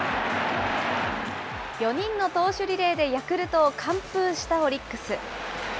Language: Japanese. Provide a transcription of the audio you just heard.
４人の投手リレーでヤクルトを完封したオリックス。